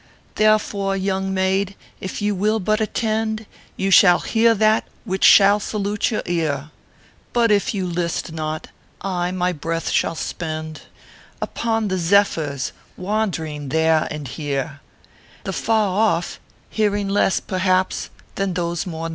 Therefore, young maid, if you will but attend, You shall hear that which shall salute your ear ; But if you list not, I my breath shall spend Upon the zephyrs wandering there and here, The far off hearing less, perhaps, than those more near.